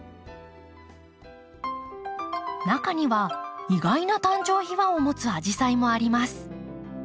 中には意外な誕生秘話を持つアジサイもあります。